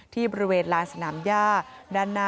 ที่บริเวณลานสนามย่า